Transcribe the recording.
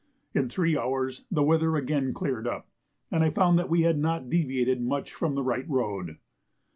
In three hours the weather again cleared up, and I found that we had not deviated much from the right road.